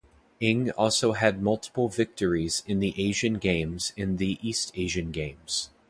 Ng also had multiple victories in the Asian Games and the East Asian Games.